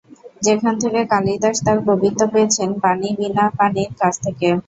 যেখান থেকে কালিদাস তাঁর কবিত্ব পেয়েছেন, বাণী বীণাপাণির কাছ থেকে।